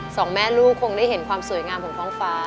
ทั้งในเรื่องของการทำงานเคยทำนานแล้วเกิดปัญหาน้อย